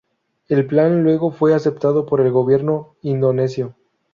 El plan luego fue aceptado por el gobierno indonesio.